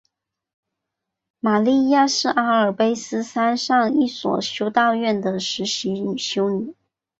玛莉亚是阿尔卑斯山上一所修道院的实习修女。